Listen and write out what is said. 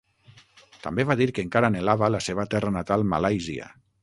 També va dir que encara anhelava la seva terra natal Malàisia.